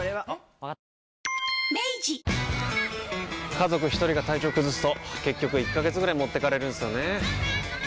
家族一人が体調崩すと結局１ヶ月ぐらい持ってかれるんすよねー。